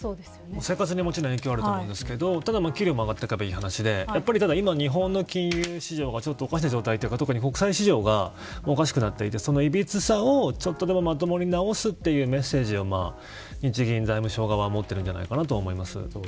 生活にもちろん影響はあると思うんですけどただ給料も上がっていけばいい話でただ日本の金融市場がおかしな話というか特に国債市場がおかしくなっていてそのいびつさをちょっとでもまともに直すというメッセージは日銀財務省側は持ってるんじゃないかと思います。